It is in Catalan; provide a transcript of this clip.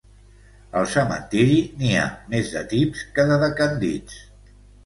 Al cementiri, n'hi ha més de tips que de decandits.